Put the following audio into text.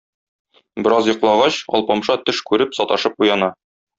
Бераз йоклагач, Алпамша төш күреп, саташып уяна.